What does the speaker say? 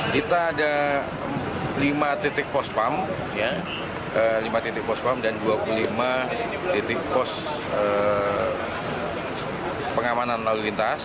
kita ada lima titik pospam dan dua puluh lima titik pospengamanan lalu lintas